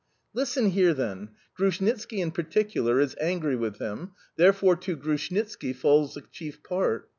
"Listen here, then: Grushnitski in particular is angry with him therefore to Grushnitski falls the chief part.